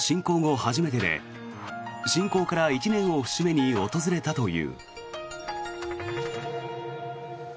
初めてで侵攻から１年を節目に訪れたという。